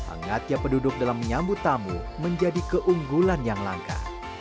hangatnya penduduk dalam menyambut tamu menjadi keunggulan yang langka